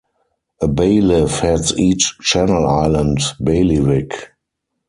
A Bailiff heads each Channel Island bailiwick.